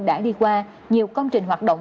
đã đi qua nhiều công trình hoạt động